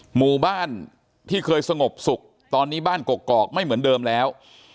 หมู่บ้านที่เคยสงบสุขตอนนี้บ้านกกอกไม่เหมือนเดิมแล้ว